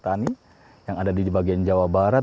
tani yang ada di bagian jawa barat